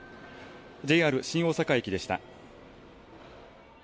ＪＲ新大阪駅でした。